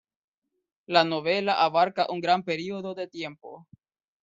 La novela abarca un gran periodo de tiempo.